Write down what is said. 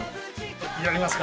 やりますか。